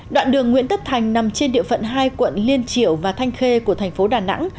đoạn đường nguyễn tất thành nằm trên địa phận hai quận liên triệu và thanh khê của thành phố đà nẵng